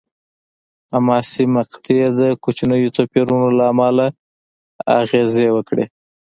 حساسې مقطعې د کوچنیو توپیرونو له امله اغېزې وکړې.